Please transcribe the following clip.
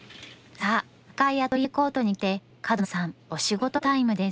さあ赤いアトリエコートに着替えて角野さんお仕事タイムです。